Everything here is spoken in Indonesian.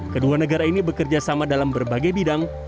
kedua negara ini bekerja sama dalam berbagai bidang